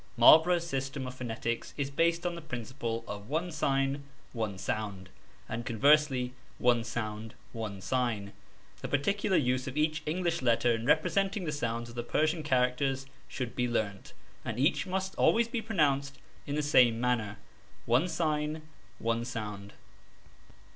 Marlborough's system of phonetics is based on the principle of one sign, one sound, and conversely, one sound, one sign. The particular use of each English letter in representing the sounds of the Persian characters should be learnt, and each must always be pronounced in the same manner (one sign, one sound).